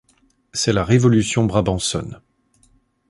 C’est la révolution brabançonne.